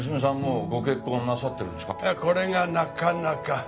これがなかなか。